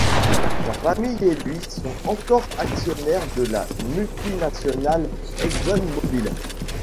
Sa famille et lui sont encore actionnaires de la multinationale ExxonMobil.